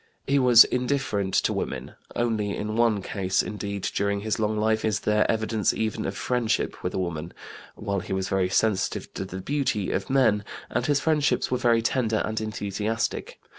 He was indifferent to women; only in one case, indeed, during his long life is there evidence even of friendship with a woman, while he was very sensitive to the beauty of men, and his friendships were very tender and enthusiastic.